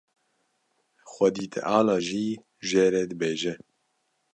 Xwedî Teala jî jê re dibêje.